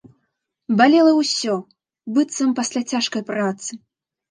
Балела ўсё, быццам пасля цяжкай працы.